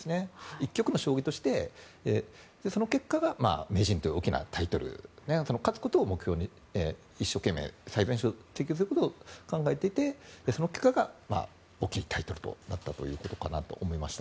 一局の将棋として、その結果が名人という大きなタイトル勝つことを目標に一生懸命することを目的としてその結果が大きいタイトルとなったということかなと。